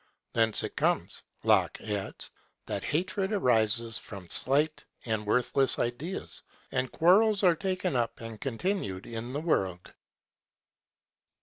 Thence it comes, Locke adds, that hatred arises from slight and worth less reasons, and quarrels are taken up and continued in the world.